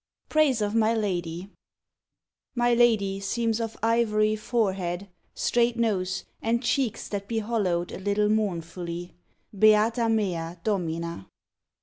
PRAISE OF MY LADY My lady seems of ivory Forehead, straight nose, and cheeks that be Hollow'd a little mournfully. _Beata mea Domina!